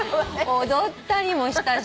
踊ったりもしたし。